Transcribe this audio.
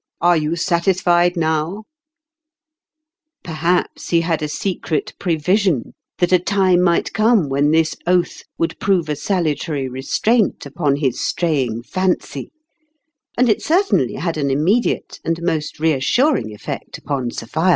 Are you satisfied now ?" Perhaps he had a secret prevision that a time might come when this oath would prove a salutary restraint upon his straying fancy, and it certainly had an immediate and most reassuring effect upon Sophia.